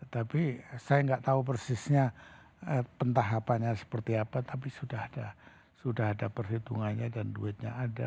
tapi saya nggak tahu persisnya pentahapannya seperti apa tapi sudah ada perhitungannya dan duitnya ada